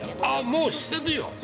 ◆もうしてるよ。